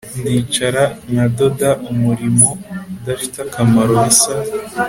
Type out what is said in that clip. ndicara nkadoda - umurimo udafite akamaro bisa